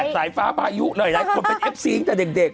สายฟ้าพายุเลยนะคนเป็นเอฟซีแต่เด็ก